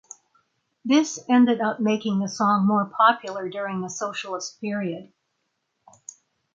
This ended up making the song more popular during the socialist period.